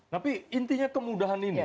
tapi intinya kemudahan ini